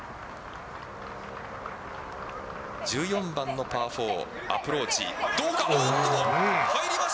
１４番のパー４、アプローチ、どうだ。